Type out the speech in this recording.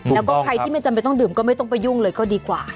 แล้วก็ใครที่ไม่จำเป็นต้องดื่มก็ไม่ต้องไปยุ่งเลยก็ดีกว่า